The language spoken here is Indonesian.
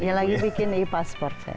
ya lagi bikin e passport ya